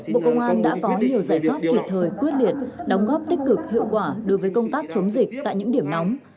bộ công an đã có nhiều giải pháp kịp thời quyết liệt đóng góp tích cực hiệu quả đối với công tác chống dịch tại những điểm nóng